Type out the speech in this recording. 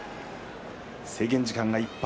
制限時間いっぱい。